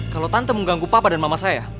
kalau tante mau ganggu papa dan mama saya